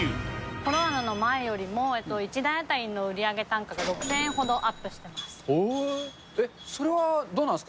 コロナの前よりも１台当たりの売り上げ単価が６０００円ほどアップしています。